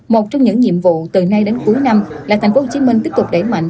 một trong những nhiệm vụ từ nay đến cuối năm là tp hcm tiếp tục đẩy mạnh